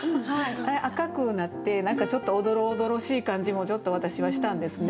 あれ赤くなって何かちょっとおどろおどろしい感じもちょっと私はしたんですね。